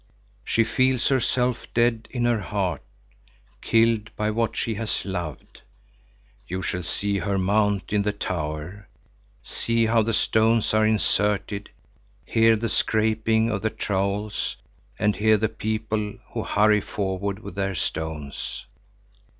She feels herself dead in her heart, killed by what she has loved. You shall see her mount in the tower, see how the stones are inserted, hear the scraping of the trowels and hear the people who hurry forward with their stones.